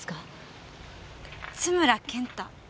津村健太？